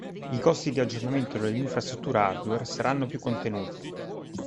I costi di aggiornamento dell'infrastruttura hardware saranno più contenuti.